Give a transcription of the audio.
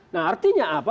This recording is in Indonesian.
nah artinya apa